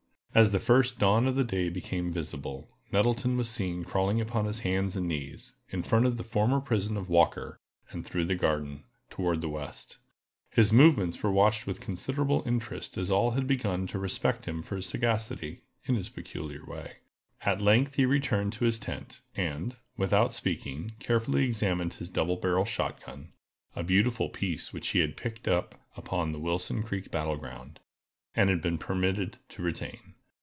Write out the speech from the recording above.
As the first dawn of day became visible, Nettleton was seen crawling upon his hands and knees, in front of the former prison of Walker, and through the garden, toward the west. His movements were watched with considerable interest, as all had begun to respect him for his sagacity, in his peculiar way. At length he returned to his tent, and, without speaking, carefully examined his double barrel shot gun—a beautiful piece which he had picked up upon the Wilson creek battle ground, and had been permitted to retain.